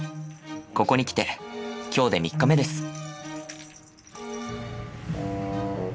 ここに来て今日で３日目です。